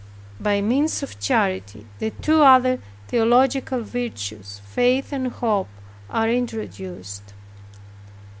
By means of charity, the two other theological virtues, faith and hope, are introduced.